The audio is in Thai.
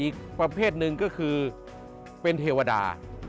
อีกประเภทหนึ่งก็คือเป็นเทวดา